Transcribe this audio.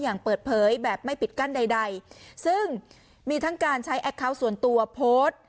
อย่างเปิดเผยแบบไม่ปิดกั้นใดใดซึ่งมีทั้งการใช้แอคเคาน์ส่วนตัวโพสต์